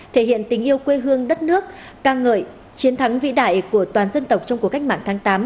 thể hiện tình yêu quê hương đất nước ca ngợi chiến thắng vĩ đại của toàn dân tộc trong cuộc cách mạng tháng tám